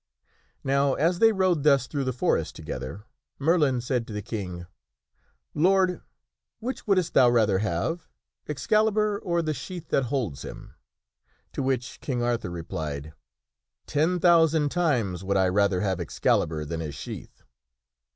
Now as they rode thus through the forest together, Merlin said to the King: " Lord, which wouldst thou rather have, Excalibur, or the sheath that holds him?" To which King Arthur replied, "Ten thousand times would I rather have Excalibur than his sheath."